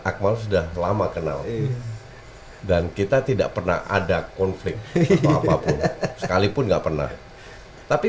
akmal sudah lama kenal dan kita tidak pernah ada konflik apapun sekalipun enggak pernah tapi